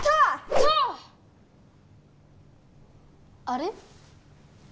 あれ？